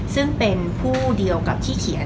ซึ่งเป็นผู้เดียวกับที่เขียน